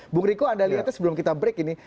bung riko anda lihatnya sebelum kita break ini